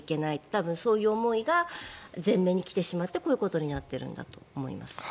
多分そういう思いが前面に来てしまってこういうことになっているんだと思います。